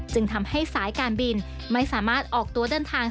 จึงทำให้สายการบินไม่สามารถออกตัวเดินทาง